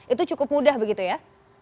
itu cukup mudah begitu ya